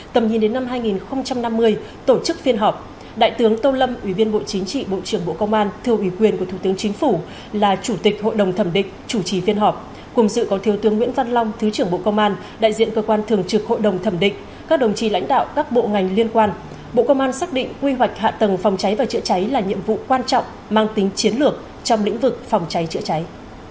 các đồng chí lãnh đạo các bộ ngành liên quan bộ công an xác định quy hoạch hạ tầng phòng cháy và chữa cháy là nhiệm vụ quan trọng mang tính chiến lược trong lĩnh vực phòng cháy chữa cháy